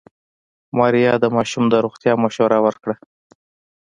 ماريا د ماشوم د روغتيا مشوره ورکړه.